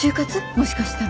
もしかしたら。